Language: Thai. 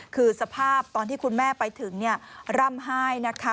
คือสภาพตอนที่คุณแม่ไปถึงร่ำไห้นะคะ